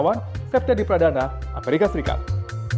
dan indonesia harus dapat menyertai kita